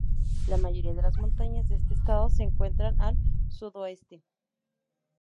La mayoría de las montañas de este estado se encuentran al sudoeste.